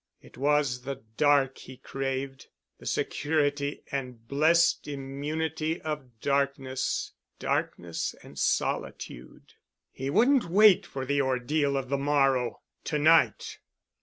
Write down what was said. It was the dark he craved, the security and blessed immunity of darkness—darkness and solitude. He wouldn't wait for the ordeal of the morrow ... to night!